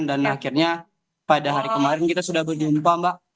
dan akhirnya pada hari kemarin kita sudah berjumpa mbak